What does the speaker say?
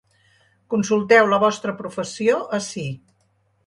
Consulteu la vostra professió ací.